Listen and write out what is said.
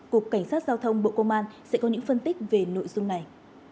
cục cảnh sát giao thông bộ công an sẽ có những phân tích về nội dung này